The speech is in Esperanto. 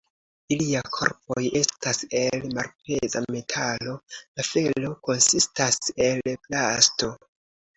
Ilia korpoj estas el malpeza metalo, la felo konsistas el plasto.